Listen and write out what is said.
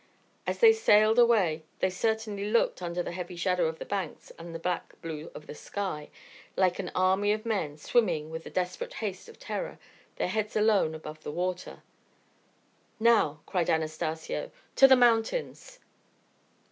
As they sailed away they certainly looked, under the heavy shadow of the banks and the black blue of the sky, like an army of men swimming with the desperate haste of terror, their heads alone above water. "Now!" cried Anastacio, "to the mountains."